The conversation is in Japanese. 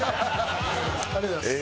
ありがとうございます。